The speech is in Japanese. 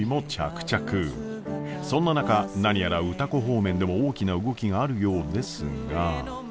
そんな中何やら歌子方面でも大きな動きがあるようですが。